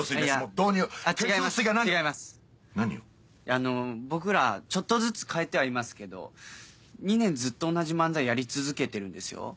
あの僕らちょっとずつ変えてはいますけど２年ずっと同じ漫才やり続けてるんですよ。